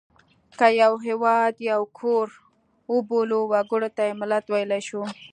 که یو هېواد یو کور وبولو وګړو ته یې ملت ویلای شو.